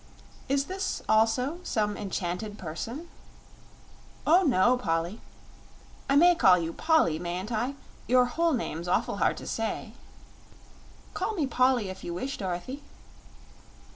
"Is this, also, some enchanted person?" "Oh no, Polly I may call you Polly, mayn't I? Your whole name's awful hard to say." "Call me Polly if you wish, Dorothy."